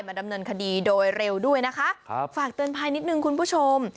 ดำเนินคดีโดยเร็วด้วยนะคะครับฝากเตือนภัยนิดนึงคุณผู้ชม